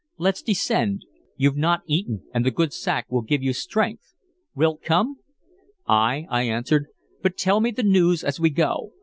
Let's descend; you've not eaten, and the good sack will give you strength. Wilt come?" "Ay," I answered, "but tell me the news as we go.